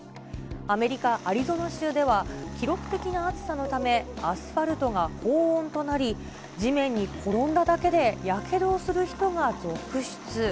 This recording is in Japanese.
アメリカ・アリゾナ州では記録的な暑さのため、アスファルトが高温となり、地面に転んだだけでやけどをする人が続出。